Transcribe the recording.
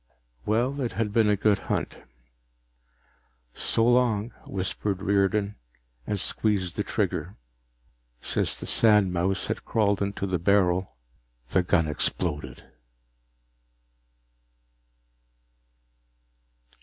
Well, it had been a good hunt. "So long," whispered Riordan, and squeezed the trigger. Since the sandmouse had crawled into the barrel, the gun exploded.